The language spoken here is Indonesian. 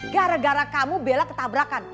gara gara kamu bela ketabrakan